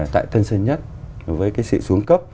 tại thân sân nhất với sự xuống cấp